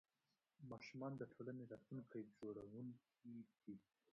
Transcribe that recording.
ماشومان د ټولنې راتلونکي جوړونکي دي.